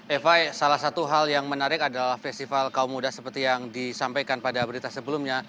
eva salah satu hal yang menarik adalah festival kaum muda seperti yang disampaikan pada berita sebelumnya